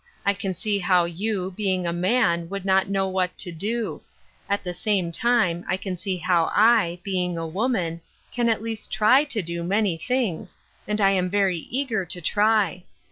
I can see how you, being a man, would not know what to do ; at the same time I can see how I, being a woman, can at least try to do many things, and I am very eager to try.